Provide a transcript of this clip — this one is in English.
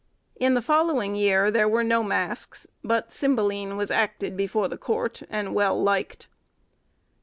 In the following year there were no masks, but 'Cymbeline' was acted before the court, and well liked.